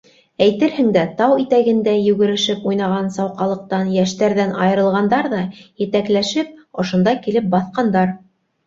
Әйтерһең дә тау итәгендә йүгерешеп уйнаған сауҡалыҡтан - йәштәрҙән - айырылғандар ҙа, етәкләшеп ошонда килеп баҫҡандар.